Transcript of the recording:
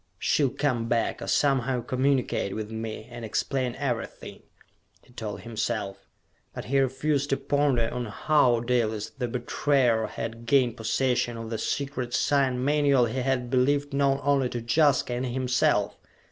"She'll come back, or somehow communicate with me, and explain everything," he told himself. But he refused to ponder on how Dalis the betrayer had gained possession of the secret sign manual he had believed known only to Jaska and himself.